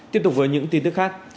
tiếp tục với những tin tức khác